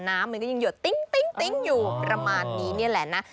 น้ำมันก็ยังหยดติ๊งอยู่ประมาณนี้นี่แหละนะ